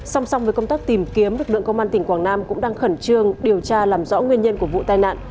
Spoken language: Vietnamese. song song với công tác tìm kiếm lực lượng công an tỉnh quảng nam cũng đang khẩn trương điều tra làm rõ nguyên nhân của vụ tai nạn